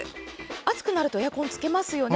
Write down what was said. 暑くなるとエアコンをつけますよね。